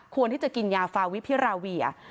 ที่จะกินยาฟาวิพิราเวีย